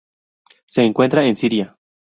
Se encuentra en Siria.